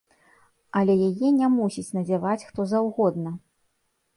Але яе не мусіць надзяваць хто заўгодна!